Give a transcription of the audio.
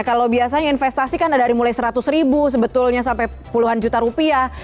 kalau biasanya investasi kan dari mulai seratus ribu sebetulnya sampai puluhan juta rupiah